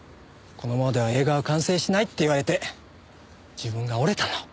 このままでは映画は完成しないって言われて自分が折れたの。